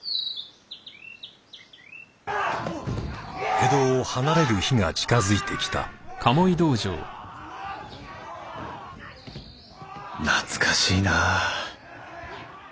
江戸を離れる日が近づいてきた懐かしいなあ。